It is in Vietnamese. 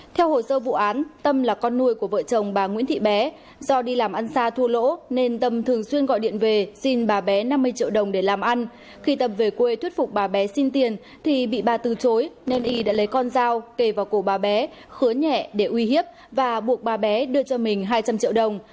theo hồ sơ vụ án tâm là con nuôi của vợ chồng bà nguyễn thị bé do đi làm ăn xa thua lỗ nên tâm thường xuyên gọi điện về xin bà bé năm mươi triệu đồng để làm ăn khi tập về quê thuyết phục bà bé xin tiền thì bị bà từ chối nên y đã lấy con dao kề vào cổ bà bé khứa nhẹ để uy hiếp và buộc bà bé đưa cho mình hai trăm linh triệu đồng